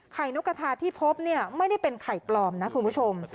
นกกระทาที่พบเนี่ยไม่ได้เป็นไข่ปลอมนะคุณผู้ชม